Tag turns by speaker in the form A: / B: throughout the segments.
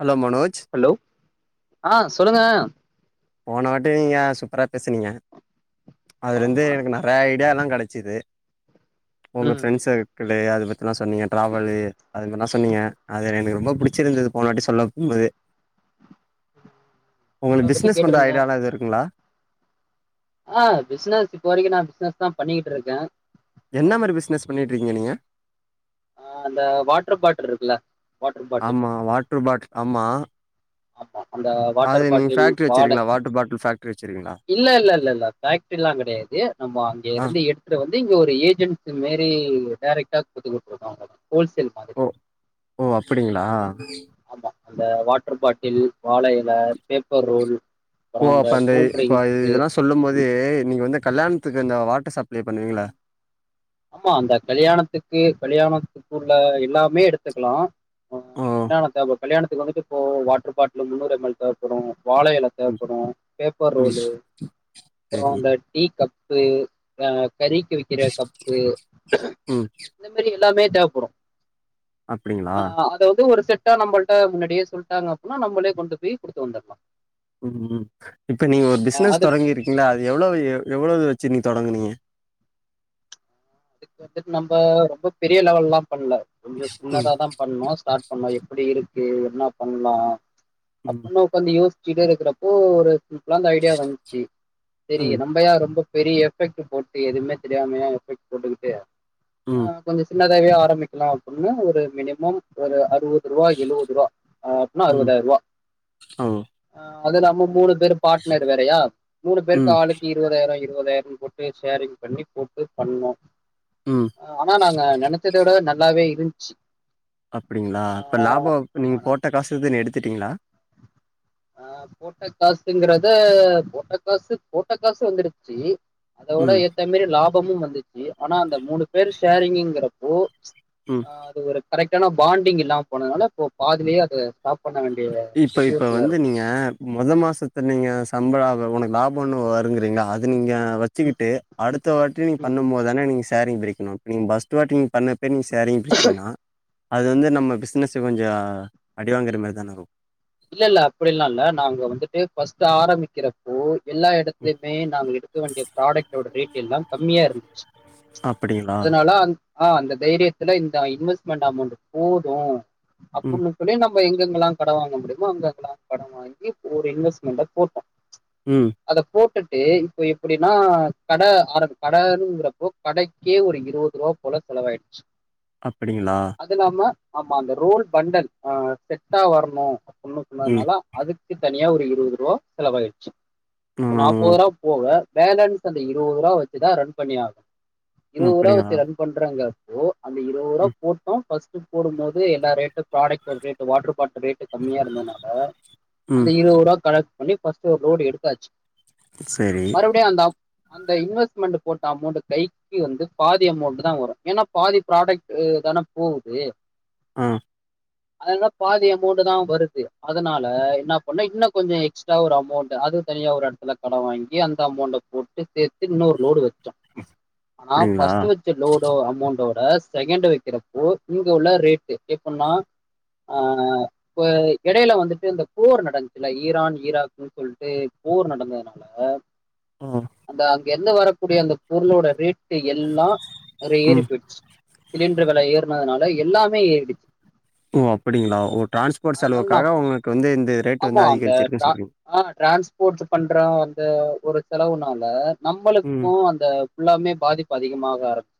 A: Hello Manoj
B: ஆஹ் சொல்லுங்க
A: போன வாட்டி நீங்க சூப்பரா பேசுனீங்க அதுல
B: ஆமா
A: இருந்து
B: ஆமா
A: எனக்கு நிறைய ஐடியா எல்லாம் கிடை ச்சது [inaudible] உங்க
B: ம்
A: ஃப்ரெண்ட் சர்க்கிள் ஹ் அதபத்திலாம் சொன்னீங்க டிரவல் சொன்னீங்க அது எனக்கு ரொம்ப பிடிச்சிருந்தது போனாவாட்டி சொல்லும்போது
B: உங்கள
A: உங்களுக்கு
B: பத்தி
A: பிசினஸ் [unintelligible] கொஞ்ச
B: கேட்டிருந்தே
A: ஐடியாவாலாம் இது இருக்குங்களா [unintelligible]
B: ஆஹ் பிசினஸ் இப்போ வரைக்கும் நான் பிசினஸ் தான் பண்ணிக்கிட்டு இருக்கேன்
A: என்ன மாரி பிசினஸ் பண்ணிட்டு யிருந்திக நீங்க
B: ஆஹ் அந்த வாட்டர் பாட்டில் இருக்குல்ல வாட்டர் பாட்டில்
A: ஆமா வாட்டர் பாட்டில் ஆமா
B: ஆமா அந்த வாட்டர்
A: அது நீங்க
B: பாட்டில்
A: ஃபேக்ட்ரி
B: வாட
A: வச்சிருக்கீங்களா வாட்டர் பாட்டில் ஃபேக்ட்ரி வச்சிருக்கீங்களா
B: இல்ல இல்ல இல்ல பேக்டரி எல்லாம் கிடையாது நம்ம அங்க
A: ஆ
B: இருந்து எடுத்துட்டு வந்து இங்க ஒரு ஏஜென்சி மேரி டைரெக்ட்டா கொத்துக்கட்டு இருக்கிங்க
A: ஓ ஓ அப்படிங்களா
B: ஆமா அந்த வாட்டர் பாட் டில் வாழையில பேப்பர் ரோல் அப்புறோ
A: ஓ அப்ப அந்த
B: கூல் ட்ரிங்க்ஸ்
A: இப்ப இதெல்லாம் சொல்லும் போது நிங்க வந்து கல்யாணத்துக்கு இந்த வாட்டர் சப்ளை பண்ணுவீங்களா
B: ஆமா அந்த கல்யாணத்துக்கு கல்யாணத்துக்குள்ள எல்லாமே எடுத்துக்கலாம்
A: ஓ
B: ஆஹ் என்ன தேவவு கல்யாணக்கு வந்துட்டு இப்போத வாட்டர் பாட்டில் முன்னூர் எம்எல் தேவைப்படும் வாழையல
A: ம்
B: தேவைப்படும் பேப்பர்
A: ம்
B: ரோல் அப்புறம்
A: சரி
B: இந்த டீ கப் அஹ் கறிக்கு வக்க த்து
A: ம்
B: இந்த மாதிரி எல்லாமே தேவைப்படும்
A: அப்படிங்களா
B: ஆஹ் அதாவது ஒரு செட் டா நம்மளிட்ட முன்னாடியே சொல்லிட்டாங்க அப்படினா நம்மளே கொண்டு போய் கொடுத்து வந்துடலாம்
A: உம்உம் இப்ப நீங்க ஒரு பிசினஸ்
B: அது
A: தொடங்கிருக்கீங்களா அது எவ்வளவு எவ்ளவு வெச்சி தோடங்கீனிங்க
B: அதுக்கு வந்துட்டு நம்ம ரொம்ப பெரிய லெவல் எல்லாம் பண்ணல கொஞ்சம்
A: ம்
B: சின்னதா தான் பண்ணும் ஸ்டார்ட் நம்ம எப்படி இருக்கு என்ன பண்ணலாம்
A: ம்
B: அப்பனும் கொஞ்ச யோஸ் சு இருக்கிறப்போ ஒரு சிம்பிளா ஐடியா வந்துச்சு சேரி
A: ம்
B: நம்பயா ரொம்ப பெரிய எஃபெக்ட் போட்டு எதுவுமே தெரியாமையா எஃபெக்ட் போட்டுக்கிட்டு
A: ம்
B: ஆஹ் கொஞ்சம் சின்ன ஆரம்பிக்கலாம் அப்படின்னு ஒரு மினிமம் ஒரு அறுபது ரூபா எழுபது ரூபா அப்படனா
A: ம்
B: அறுபதாயிரம் ரூபா
A: ஓ
B: அது இல்லாம மூணு பேர் பார்ட்னர் வேறையா மூணு பேருக்கு
A: ம்
B: ஆளுக்குக்கு இருபதாயிரம் இருபதாயிரம் போட்டு ஷேரிங் பண்ணி போட்டு பண்ணோம்
A: ம்
B: ஆனா நாங்க நினைச்ச தோட நல்லாவே இருந்துச்சு
A: அப்படிங்களா
B: ஆ
A: இப்ப லாபம் நீங்க
B: ஆமா
A: போட்ட காசுதுன்ன எடுத்து த்துட்டீங்களா [unintelligible]
B: ஆஹ் போட்ட காசுங்கறத போட்ட காசு போட்ட காசு வந்துடுச்சு அதோட
A: ம்
B: ஏத்த மாரி லாப மும் வந்துச்சு ஆனா அந்த மூணு பேர் ஷேரிங்கங்கிறப்போ
A: ம்
B: ஆஹ் அது [inaudible] கரெக்டான பாண்டிங் இல்லாமல் போனதுனால இப்போ பாதிலே அதை சா பண்ண வேண்டியது
A: இப்ப
B: சுற்றி
A: இப்ப வந்து நீங்க மொதல் மாசத்து நீங்க ச உனக்கு லாபம் வருங்கறீங்களா அது நீங்க வச்சுக்கிட்டு அடுத்தவாட்டி நீ
B: ம்
A: பண்ணும்போதுன நீங்க ச சேரிங் பிரிக்கனும் இப்ப பஸ்ட்வாட் இப்போ நீங்கள் சரிங் பிடிச்சுங்கன்னா அது வந்து நம்ம பிஸ்னஸ்ஸ் கொஞ்சம் அடிவாங்கிற மாதிரி தான இருக்கும்
B: இல்ல இல்ல அப்படில்லாம் இல்ல நாங்க வந்துட்டு பஸ்ட் ஆரம்பிக்கிறப்போ எல்லா இடத்துலையுமே நாங்கள் எடுக்க வேண்டிய ப்ராடக்டோட ரேட எல்லாம் கம்மியாக இருந்த [inaudible]
A: அப்படிகளா
B: ஆ அந்த தைரியத்தல இந்த இன்வெஸ்ட்மெண்ட் அமௌண்ட் போதும்
A: ம்
B: அப்பன்னு சொட நம் [unintelligible] அப்ப எங்எங்கலாம் கடவாங்குறது அங்குஅங்குலெம் கடன் வாங்கி ஒரு இன்வெஸ்ட்மெண்ட போட்டோம்
A: ம்
B: அத போட்டு விட்டு இப்ப எப்படினா கட அர கடகிறபோ கடக்கே ஒரு இருபது ரூபா போல செலவாயிடுச்சு
A: அபடிங்களா
B: அது இல்லாம ஆமா அந்த ரோல் பண்டல் செட்டா வரணும் ஒ [unintelligible]
A: ம்
B: சொன்னதுனால அதுக்கு தனியா ஒரு இருபது ரூபா செலவுயிருச்சு
A: ஆ
B: அப்போ நாப்பது ரூபா போவே பேலன்ஸ் அந்த இருவது ரூபா வச்சுதான் ரன் பண்ணியாகனும் இருவது ரூபா
A: அப்டிங்களா
B: வச்சு ரன் பண்றாங்க ஒ அந்த இருவது ரூபா
A: ம்
B: போட்டோம் பஸ் ட்டுபோடும்போது எல்லா ரேட்டு ப்ராடக்ட்வோட ரேட் வாட்டர் பாட்டல் ரேட் கம்மியா இருந்ததுனால அந்த
A: ம்
B: இருவது ரூபா கடக் பண்ணி பஸ்ட் ஒரு லோடு எடுத்தாச்சு
A: சரி
B: மறுபடியும் அந்த ஆப் அந்த இன்வெஸ்ட்மெண்ட் போட்ட அமௌண்ட் கையிக்கு வந்து பாதி அமௌண்ட் தான் வரும் ஏனா பாதி ப்ராடக்ட் உ தானே போது
A: ஆஹ்
B: அதன பாதி அமௌண்ட்டு தான் வருது அதனால என்ன பண்ணா இன்னு கொஞ்ச எக்ஸ்ட்டா ஒரு அமௌண்ட் அது தனியா ஒரு இடத்துல கடன் வாங்கி அந்த அமௌண்ட போட்டு சேத்து இன்னொரு லோடு வச்சோம் ஆனா
A: அப்டிங்களா
B: பஸ் வச்ச லோடோ அமௌண்டோ ராஸ் செகண்டு வைக்கிறப்போ இங்க உள்ள ரேட்டு எப்பனா ஆஹ இப்ப இடையில வந்துட்டு இந்த போர் நடந்துச்சு இல்ல ஈரான் ஈராக்கு சொல்ட்டு போர் நடந்ததுனால
A: ஓ
B: அதான் என்ன வரக்கூடிய அந்த பொருளோட ரேட் எல்லாம் நறைய ஏறி
A: ம்
B: போயிடுச்சு சிலிண்டர் வேல ஏற னதுனால எல்லாமே ஏறிடுச்சு
A: ஒ அப்டிங்களா ஒட் டிரான்ஸ்போர்ட்
B: அதனால நா
A: செலவுக்காக உங்களுக்கு வந்து இந்து
B: ஆமா அந்த த ஹாட் டிரான்ஸ்போர்ட் ஸ் பண்ற வந்த ஒரு செலவுனால
A: ம்
B: நம்பளுக்கு அந்த ஃபுல்லாமே பாதிப்பு அதிகமாக ஆரம்பிச்சுச்சி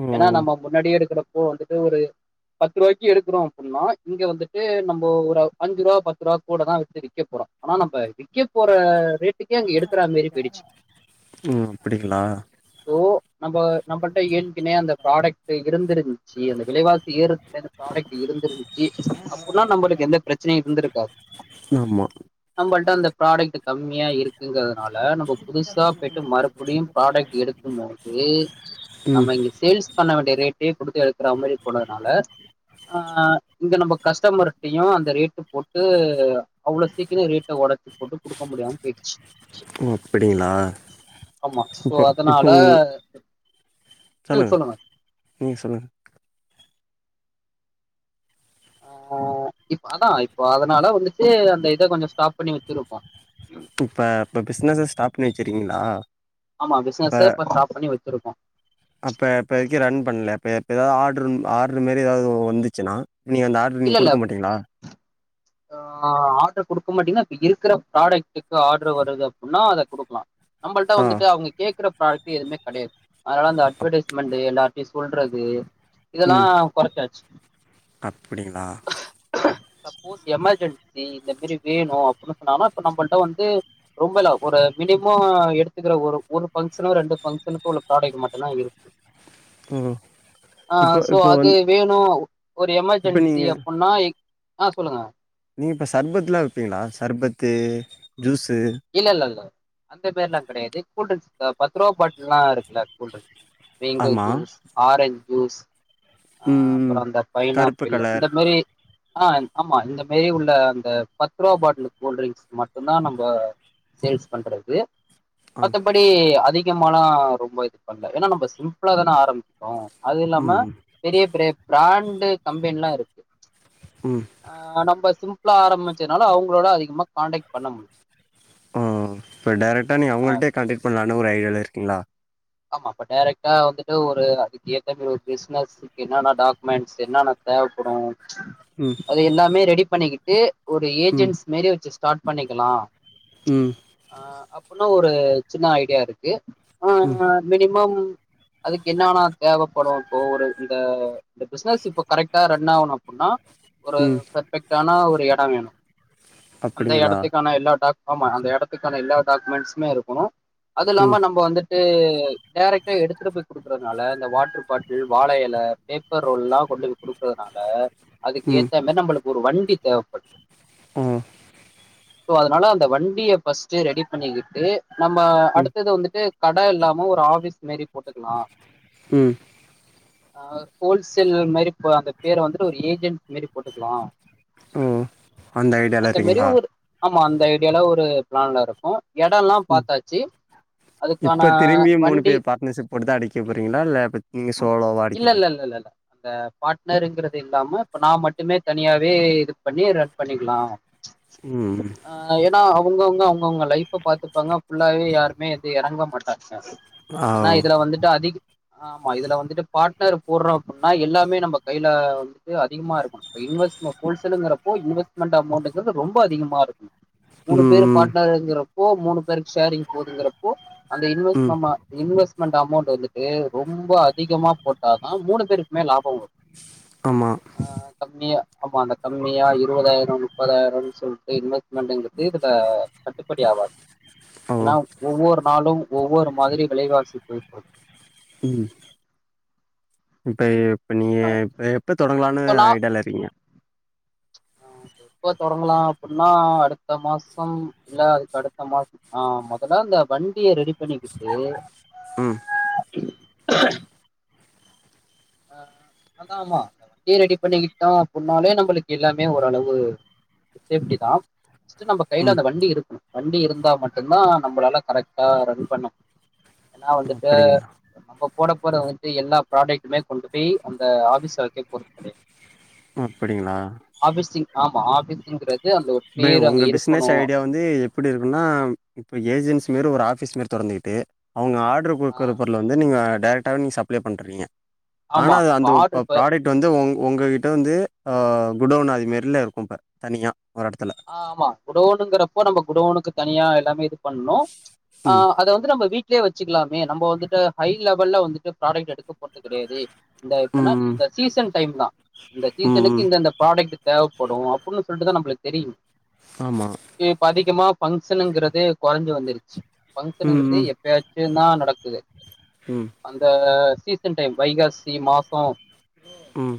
A: ஓ
B: ஏன்னா நம்ம முன்னாடியே எடுக்கிறப் இப்போ வந்துட்டு ஒரு பத்து ரூபாய்க்கு எடுக்குறோம் அப்புடின்னா இங்க வந்துட்டு நம்ப ஒரு அஞ்சு ரூபா ப த்துரூபா கூட தா விக்க போறோம் ஆனா நம்ப விக் விக்கிய போற ரேட்டுக்கே அங்க எடுக்கற மேரி போயிடுச்சு
A: ம் அப்டிங்களா
B: ஓ நம்ம நம்பட் என்கின்னே அந்த ப்ராடக்ட் இருந்து ச்சி அந்த விலைவா ஏறத்ந்து ப்ராடக்ட் இருந்திருந்துச்சு அப்புடினா நம்மளுக்கு எந்த பிரச்சனையும் இருந்திருக்காது
A: ஆமா
B: நம்மளிட்ட அந்த ப்ராடக்ட் கம்மியா இருக்குங்கொ நால நம்ம புதுசா போய்டு மறுபடியும் ப்ராடக்ட் எடுக்கும் போது
A: ம்
B: நம்ம இங்க சேல்ஸ் பண்ண வேண்டிய ரேட்டே குடுத்து எடுக்கிற மாரி போனதுனால ஆ இங்க நம்ம கஸ்டமர்டையு அந்த ரேட்டு போட்டு இதுஆ அவ்வளவு சீக்கிர ரேட்டை உடச்சி போட்டு குடுக்க முடியாம போயிடுச்சு
A: ஓ அப்டிங்களா
B: ஆமா சோ
A: இப்போ இப்போ
B: அதனால உம் சொல்லுங்க
A: நீங்க சொல்லுங்க
B: ஆஹ இப்ப அதனால இப்போ அதனால வந்துச்சு அந்த இதை கொஞ்ச ஸ்டாப் பண்ணி வச்சிருக்கோ
A: இப்ப இப்ப பிசனஸ் ஸ்டாப் பண்ணி வச்சறீங்களா இப்ப
B: வச்சிருக்கேம்
A: அப்ப இப்ப வரைக்கு ரன் பண்ணலப இப்போ எதாவது ஆர்டரு ஆர்ரு மாரி ஏதாவது வந்துச்சுன்னா நீங்க அந்த ஆர்டரு
B: இல்ல
A: நீங்க
B: இல்ல
A: குடுக்க மாட்டீங்களா
B: ஆஹ ஆர்டு கொடுப் இரு மாட்டீங்கன்னா இப்ப இருக்கிற ப்ராடக்டுக்கு ஆர்டரு வருதுனா அப்பிடின்னா அத குடுக்கலா நம்மளிட்ட
A: ஆ
B: வந்துட்டு அவுங்க கேக்குறப் பாக்கி எதுவுமே கிடையாது அதனால அந்த அட்வர்டைஸ்மெண்ட் எல்லாருட்டையு சொல்றது இது இதெல்லா
A: ம்
B: குறச்சாச்சு
A: [inaudible]
B: சப்போஸ் எமர்ஜென்சி இந்த மாரி வேணு அப்பிடின்னு சொன்னா இப்ப நம்மளட வந்து ரொம்பல ஒரு மினிமோ எடுத்துக்கற ஒரு ஒரு பங்க்ஷனு ரெண்டு பங்க்ஷனுக்கு உள்ள ப்ராடக்ட் மட்டும்தா இருக்கு
A: ஓ
B: ஆஹ
A: இப்போ
B: சோ
A: இப்போ வந்து
B: அது வேணும் ஒரு
A: இப்ப
B: எமர்ஜென்சி
A: நீங்க
B: சி எப் ன்னா ஆஹ சொல்லுங்க
A: நீங்கள் இப்போ சர்பத்துலா விப்பீங்களா சர்பத்து ஜூஸ்
B: இல்ல இல்ல அந்த பேர் எல்லாம் கிடையாது கூல்ட்ரிங்க்ஸ் பத்து ரூபா பாட்டில் எல்லாம் இருக்குல்ல கூல்ட்ரிங்க்ஸ் மேங்கோ
A: ஆமா
B: ஜூஸ் ஆரஞ்ச் ஜூஸ் ஜூஸ் அஹ
A: ம்
B: அப்புறம் அந்த
A: கருப்பு
B: பைனாப்பிள்
A: கலர்
B: அந்த மாதிரி ஆஹ் ஆமா இந்த மாரி உள்ள அந்த பத்து ரூபா பாட்டில் கூல்டரிங்க்ஸ் மட்டும் தான் நம்ம சேல்ஸ் பண்ணுறது
A: ஆ
B: மத்தபடி அதிக முக்கமான ரொம்ப இது பண்ணல ஏன்னா நம்ம சிம்பிளா தானே ஆரம்பிசேம் அது இல்லாம
A: ம் ம்
B: பெரிய பெரிய பிராண்டு கம்பெனி எல்லாம் இருக்கு
A: ம்
B: ஆஹ் நம்பா சிம்பிள ஆரம்பிச்சதனால அவங்களோட அதிகமா கான்டெக்ட் பண்ண முடியல
A: ஓ இப்போ டைரெக்டா நீங்க அவங்கள்ட்டயே கான்டெக்ட் பண்லான்னு ஒரு ஐடியாவுல இருக்கீங்களா
B: ஆமா அப்ப டைரெக்டா வந்துட்டு ஒரு அதுக்கு ஏத்த மாரி ஒரு ஃபீஸ் என்னஸ் என்னென்ன டாக்குமெண்ட்ஸ் என்னென்ன தேவைப்படு
A: ம்
B: அது எல்லாமே ரெடி பண்ணிக்கிட் ஏ ஒரு
A: ம்
B: ஏஜென்சி மாரி வச்சு ஸ்டாட் பண்ணிக்கலா
A: ம்
B: அஹ் அப் இன்னு ஒரு சின்ன ஐடியா இருக்கு ஆ
A: ம்
B: மினிமம் அதுக்கு என்ன என்ன தேவைப்படு இப்போ ஒரு இந்த இந்த பிஸ்னஸ் இப்போ கரக்ட்டா ரன் ஆகணு அப்டின்னா ஒரு
A: ம்
B: பர்ஃபெக்ட் ஆன ஒ ரு எடோ வேணு அந்த
A: அப்டிங்களா
B: எடத்துக்கான எல்லா டாக் ஆமா அந்த எடத்துக்கான எல்லா டாக்குமெண்ட்ஸுமே இருக்கணு அது
A: ம்
B: இல்லாம நம்ப வந்துட்டு ட்டு டைரெக்டா எடுத்துட்டு போய் குடுக்கறதனால அந்த வாட்டர் பாட் டில் வாழையெல பேப்பர் ரோல்லா கொண்டு போய் குடுக்கறதுனால அதுக்கு
A: ம்
B: ஏத்த மாரி நம்பளுக்கு ஒரு வண்டி தேவப் ஓக
A: ம்
B: சோ அதனால அந்த வண்டிய ஃபஸ்ட்டு ரெடி பண்ணிக்கிட்டு நம்ம
A: ம்
B: அடுத்தது வந்துட்டு கட இல்லாம ஒரு ஆஃபிஸ் மாரி போட்டுக்கலா
A: உம்
B: அஹ் ஹோல்சேல் மாரி அந்த பேரை வந்துட்டு ஒரு ஏஜென்ட் மேரி போட்டுக்கலா
A: ஓ அந்த ஐடியால
B: மாரி
A: இருக்கீங்களா
B: ஒரு ஆமா அந்த ஐடியால ஒரு பிளான்ல இருக்கோ எடோல்லா
A: ம்
B: பாத்தாச்சு அதுக்கான
A: இப்ப திரும்பியு மூணு
B: வண்டி
A: பேர் பார்ட்னர்ஷிப் போட்டுதா அடிக்கப் போறீங்களா இல்ல [unintelligible] நீங்க சோலோவா அடிக்க
B: இல்ல இல்ல
A: போறீங்
B: இல்ல இல்ல இல்ல அந்த பார்ட்னர்ருங்கறது இல்லாம இப்ப நா மட்டுமே தனியாவே இது பண்ணி ரன் பண்ணிக்கலா
A: ம் ம்.
B: ஆஹ் ஏன்னா அவு ங்கவுங்க அவங்கவுங்க லைஃப பாத்துப்பாங்க ஃபுல்லாவே யாருமே அது எறங்க மாட்டாங்க
A: ஆ
B: ஏன்னா
A: ஓ
B: இதுல வந்துட்டு அதிக ஆமா இதுல வந்துட்டு பாட்னர் போட்றோ அப்டின்னா எல்லாமே நம்ம கையில வந்துட்டு அதிகமா இருக்கனு இப்ப இன்வெஸ்ட் ஹோல்சேலுங்கிறப்போ இன்வெஸ்ட்மெண்ட் அமௌண்ட்ங்கிறது ரொம்ப அதிகமா மூணு பேரு
A: ம் ம்
B: பாட்னருங்கிற ப்போ மூணு பேருக்கு ஷேரிங் போதுங்கிறப்போ அந்த இன்வெஸ்
A: ம்
B: நம்ம இன்வெஸ்மெண்ட் அமௌண்ட் வந்துட்டு ரொம்ப அதிகமா போட்டாதா மூணு பேருக்குமே லாப வரு
A: ஆமா
B: ஆஹ் கம்மியா ஆமா அந்த கம்மியா இருவாதாயிர முப்பதாயிரனு சொல்ட்டு இன்வெஸ்ட்மெண்ட்ங்கிறது இதுல கட்டுப்படி ஆவாது
A: ஓ
B: ஆனா ஒவ்வொரு நாளு ஒவ்வொரு மாதிரி விலைவாசி போயிட்ருக்கு
A: உம் இப்பே இப்ப நீங்க
B: ஆ
A: எப் எப்போ தொடங்கலான்னு ஐடியால இருக்கீங்க
B: எப்போ தொடங்கலா அப்புன்னா அடுத்த மாசம் இல்ல அதுக்கு அடுத்த மாச ஆஹ் முதல்ல இந்த வண்டிய ரெடி பண்ணிக்கிட்டு
A: ம்
B: [unintelligible] ஆஹ் அதான் ஆமா அந்த வண்டியே ஆமா வண்டிய ரெடி பண்ணிக்கிட்டு தா போண்ணாலே நம்மளுக்கு எல்லாமே ஓரளவு சேப்டி தா ஃபஸ்ட் நம்ம கையில
A: ம்
B: அந்த வண்டி இருக்கணு வண்டி இருந்தா மட்டுந்தான் நம்மளால கரெக்டா ரன் பண்ண ஏன்னா வந்துட்டு
A: அப்படிங்களா
B: நம்ப போட போற வந்து எல்லா பிராடெக்ட் [unintelligible] கொண்டு போய் அந்த ஆபிஸ் வெக்க போறது கிடையாது
A: அப்படிங்களா
B: ஆமா ஆபீசுங்கிற
A: பே உங்க பிசினஸ் ஐடியா வந்து எப்டி இருக்குன்னா இப்ப ஏஜென்சி இரு ஒரு ஆபிஸ் மரி தொறந்துகிட்டு அவுங்க ஆர்ட்ரு
B: ஆ
A: குடுக்குற பொருள் வந்து நீங்க டேரெக்டா நீ சப்ளே பண்றீங்க
B: ஆமா
A: ஆனா அது
B: அப்ப
A: அந்த
B: ஆர்டர்
A: ப்
B: இப்ப
A: ப்ராடக்ட் வந்து உ உங்கிட் டு வந்து குடோவுன் அதுமேரில இருக்கு இப்ப தனியா ஒரு எடத்துல.
B: ஆஹ் ஆமா குடோவுணுங்கிறப்போ நம்ம குடோனுக்கு தனியா எல்லாமே இருக்கு பண்ணோ
A: ம்
B: அத வந்து நம்ம வீட் லே வெச்சிக்கலாமே நம வந்துட்டு ஐ லெவல்ல வந்துட்டு ப்ராடெக்ட் எடுக்க போறது கிடையாது இந்த இப்பனா
A: ம்
B: இந்த சீசன் டைம் தா இந்த
A: ம்
B: சீசனுக்கு
A: ம்
B: இந்த இந்த ப்ராடெக்ட் தேவப்படு அப்புன்னு சொல்ட்டு தா நம்ளுக் தெரிய
A: ஆமா.
B: ஏ பாதிக்கமா பங்சனுங்கிறது குறைஞ்சு வந்துருச்சு
A: ம்
B: பங்க்ஷன்ங்கிறது
A: ம்
B: எப்பயாச்சும் தான் நடக்குது
A: ம்
B: அந்த சீசன் டைம் வைகாசி மாசம்
A: உம்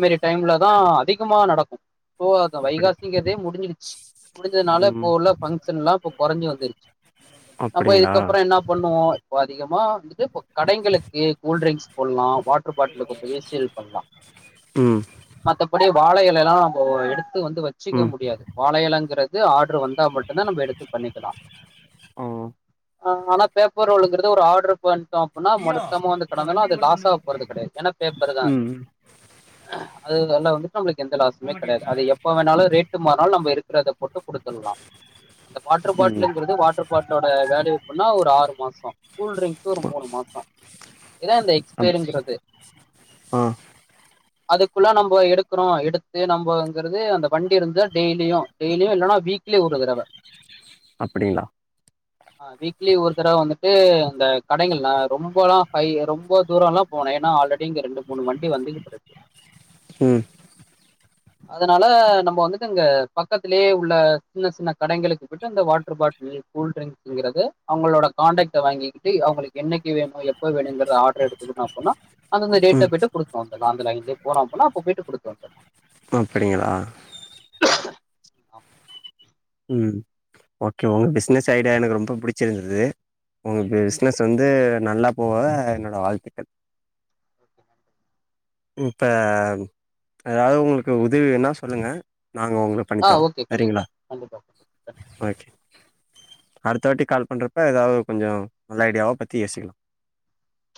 B: மாரி டைம்ல தான் அதிகமா நடக்கும்போ
A: அப்படி
B: வைகாசிங்கதே முடிஞ்சுடுச்சு முடிஞ்சதுனால
A: ம்
B: இப்ப
A: ம்
B: உள்ள பன் எல்லாம் இப்ப குறைஞ்ச வந்துருச்சு நம்ம
A: அப்படிங்களா?
B: இதுக்கப்புறம் என்ன பண்ணுவோம் இப்ப அதிகமா வந்து கடைகளுக்கு கூல்டிரிங்க்ஸ் போடலாம் வாட் ப்பாட்ட கொண்டு போய் சீல் பண்ணலாம்
A: ம்
B: மத்தபடி வாழயிலை எல்லாம் எடுத்து வந்து வச்சுக்க
A: ம்
B: முடியாது வாழையலங்க ங்கிறது ஆட வந்தா மட்டும்தான் நம்ம எடுத்து பண்ணிக்கலாம்
A: ஓ
B: ஆ ஆனா பேப்பர் ரேல்ங்கறது ஒரு ஆர்டரு ப அடின்னா மொத்தமா வந்து கிடந்தாலும் அது லாஸ் ஆ போறது கிடையாது என்ன பேப்பரு தான்
A: ம் ம்.
B: அல்லாம் வந்து நமளுக்கு எந்த லசுமே கிடையாது அத எப்ப இப்ப வேணாலும் ரேட்டு மாறுனாலும் நம்ம இருக்கிறதை போட்டு கொடுத்துடலாம் அந்த வாட்டர்
A: ம்
B: பாட்டிலுங்கிறது வாட்டர் பாட்டிலோட வேலயூப்பனா ஒரு ஆறு மாசம் கூல்டிரிங்க்ஸ் ஒரு மூணு மாசம் இதான் இந்த
A: அப்
B: எக்ஸ்பரிங்கிறது
A: ஆ
B: அதுக்குள்ள நம்ம எடுக்கிறோம் எடுத்து நம்ம அங்க அந்த வண்டி இருந்த டெய்லியும் டெய்லியும் இல்லன்னா வீக்லி ஒரு தடவை
A: அப்டிங்களா
B: ஆஹ் வீக்லி ஒரு தடவை வந்துட்டு இந்த கடைகள்ல்லா ரொம்ப எல்லாம் ஹை ரொம்ப தூரம் எல்லாம் போனேன் ஏன்னா ஆல்ரெடி இங்க ரெண்டு மூணு வண்டி வந்துட்டுருக்கு
A: உம்
B: அதனால நம்ம வந்துட்டு இங்க பக்கத்திலேயே உள்ள சின்ன சின்ன கடைகளுக்கு போயிட்டு இந்த வாட்டர் பாட்டில் கூல்ட்ரிங்க்ஸ்ங்கறது அவங்களோட கான்டக்ட வாங்கிக்கிட்டு அவங்களுக்கு என்னைக்கு வேணும் எப்போ வேணுங்கத ஆர்டர் எடுத்துட்டுன்னா அப்டினா அந்தந்த
A: ம்
B: டேட்ல போயிட்டு கொடுத்து வந்த அந்தலைன்லே போன போனா அப்ப போயிட்டு கொடுத்து வந்துரு
A: அப்பிடியா
B: ஆமா
A: ம் ஓகே உங்க பிசனஸ் ஐடியா எனக்கு ரொம்ப புடிச்சிருந்தது உங்க
B: ம்,
A: பிசினஸ் வந்து நல்லா போவ என்னோட வாழ்த்துக்கள்
B: நன்றி.
A: இப்ப ஏதாவது உங்களுக்கு உதவி வேணா சொல்லுங்க நாங்க உங்களுக்கு பண்ணி
B: ஆஹ்
A: தரோம்
B: ஓகே கண்டிப்பா
A: சரிங்களா
B: கண்டிப்பா கண்
A: ஓகே அடுத்த வாட்டி கால் பண்றப்ப ஏதாவது கொஞ்ச நல்ல ஐடியாவ பத்தி யோசிக்கலா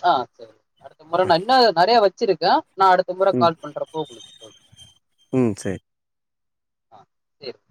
B: ஆஹ் சரி அடுத்த முறை நா
A: ஓகே
B: இன்னு நெறைய வச்சிருக்கே நா அடுத்த முற
A: ம்
B: கால் பண்றப்போ உங்களுக்கு சொல்
A: ம் சேரி
B: ஆஹ் சேரி